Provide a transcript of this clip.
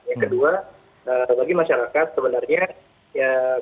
yang kedua bagi masyarakat sebenarnya ya